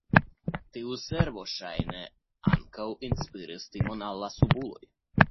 Tiu servo ŝajne ankaŭ inspiris timon al la subuloj.